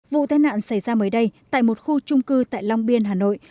vụ tai nạn xảy ra mới đây tại một khu trung cư tại long biên hà nội